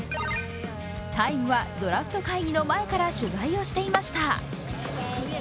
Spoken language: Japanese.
「ＴＩＭＥ，」はドラフト会議の前から取材をしていました。